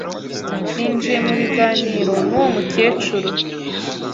Yinjiye mu biganiro nuwo mukecuru.